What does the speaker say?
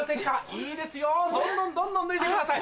いいですよどんどんどんどん脱いでください。